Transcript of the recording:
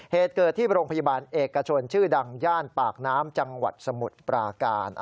เหตุเกิดที่โรงพยาบาลเอกชนชื่อดังย่านปากน้ำจังหวัดสมุทรปราการ